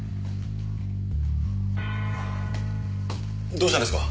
どうしたんですか？